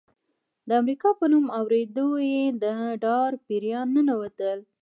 د امریکا په نوم اورېدو یې د ډار پیریان ننوتل.